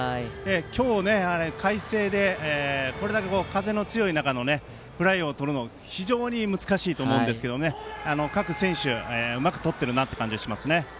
今日、快晴でこれだけ風の強い中フライをとるのは非常に難しいと思うんですが各選手がうまくとっているなという感じがします。